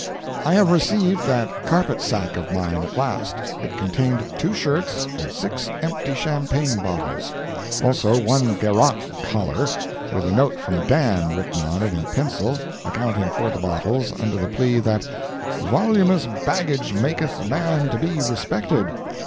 I have received that carpet sack of mine at last. It contained two shirts and six empty champagne bottles. Also one garrote collar, with a note from Dan written on it in pencil, accounting for the bottles under the plea that "voluminous baggage maketh a man to be respected."